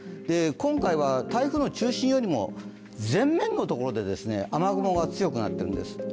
今回は台風の中心よりも前面のところで雨雲が強くなってるんです。